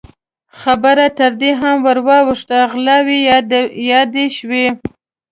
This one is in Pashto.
خبره تر دې هم ور واوښته، غلاوې يادې شوې.